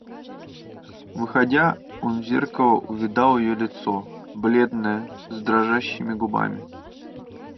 Выходя, он в зеркало увидал ее лицо, бледное, с дрожащими губами.